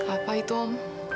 apa itu om